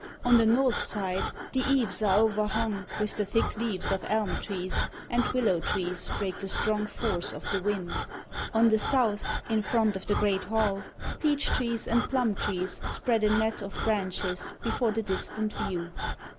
On the North side, the eaves are overhung With the thick leaves of elm trees, And willow trees break the strong force of the wind. On the South, in front of the great hall, Peach trees and plum trees spread a net of branches Before the distant view.